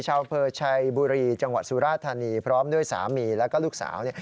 อำเภอชัยบุรีจังหวัดสุราธานีพร้อมด้วยสามีแล้วก็ลูกสาว